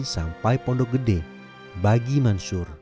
sampai pondok gede bagi mansur